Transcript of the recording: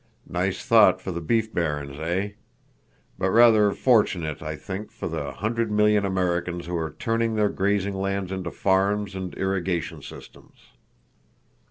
Nice thought for the beef barons, eh? But rather fortunate, I think, for the hundred million Americans who are turning their grazing lands into farms and irrigation systems."